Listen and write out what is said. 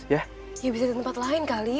ya bisa di tempat lain kali